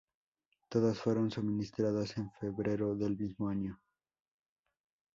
Todas fueron suministradas en febrero del mismo año.